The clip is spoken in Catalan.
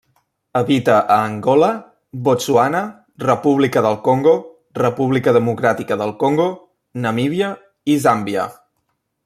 Habita a Angola, Botswana, República del Congo, República Democràtica del Congo, Namíbia i Zàmbia.